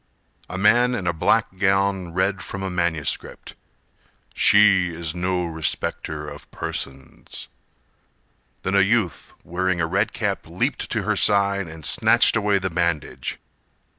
A man in a black gown read from a manuscript: "She is no respecter of persons." Then a youth wearing a red cap Leaped to her side and snatched away the bandage.